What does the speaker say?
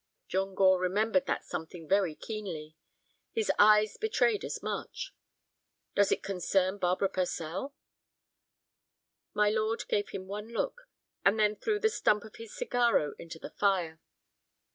John Gore remembered that something very keenly. His eyes betrayed as much. "Does it concern Barbara Purcell?" My lord gave him one look, and then threw the stump of his cigarro into the fire.